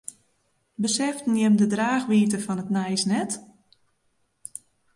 Beseften jimme de draachwiidte fan it nijs net?